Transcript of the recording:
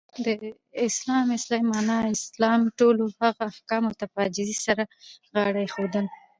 د اسلام اصطلاحی معنا : اسلام ټولو هغه احکامو ته په عاجزی سره غاړه ایښودل.